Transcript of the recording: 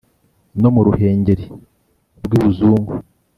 No mu Ruhengeri rw'ibuzungu